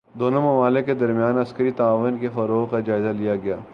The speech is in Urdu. دونوں ممالک کے درمیان عسکری تعاون کے فروغ کا جائزہ لیا گیا